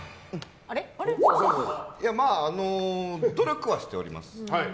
まあ、努力はしております。